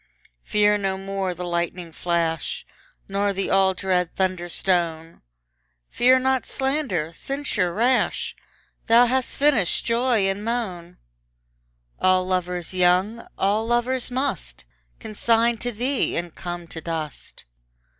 Fear no more the lightning flash, Nor the all dread thunder stone; Fear not slander, censure rash; Thou hast finished joy and moan; All lovers young, all lovers must Consign to thee, and come to dust.